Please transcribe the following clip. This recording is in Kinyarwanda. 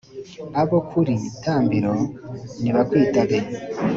Abo kuri Tambiro nibakwitabe,